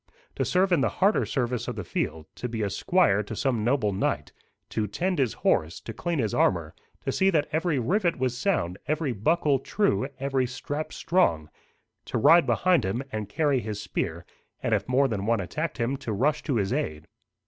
To serve in the harder service of the field; to be a squire to some noble knight; to tend his horse, to clean his armour, to see that every rivet was sound, every buckle true, every strap strong; to ride behind him, and carry his spear, and if more than one attacked him, to rush to his aid.